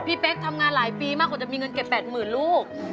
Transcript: เป๊กทำงานหลายปีมากกว่าจะมีเงินเก็บ๘๐๐๐ลูก